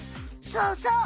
そうそう。